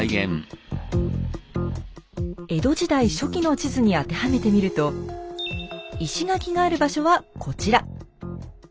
江戸時代初期の地図に当てはめてみると石垣がある場所はこちら。